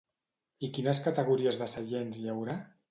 I quines categories de seients hi haurà?